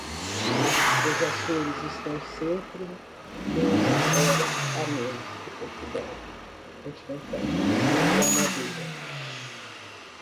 Os Açores estão sempre uma hora a menos que Portugal continental e a Madeira.